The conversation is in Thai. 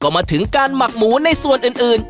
ก็มาถึงการหมักหมูในส่วนอื่น